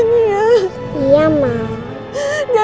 nanti kita berjalan